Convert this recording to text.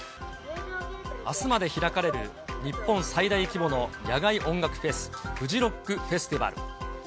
あすまで開かれる日本最大規模の野外音楽フェス、フジロックフェスティバル。